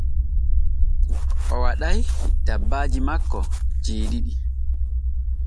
O waɗay dabbaaji makko jeeɗiɗi.